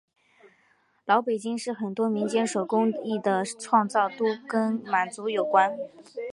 老北京很多民间手工艺的创造都跟满族有关。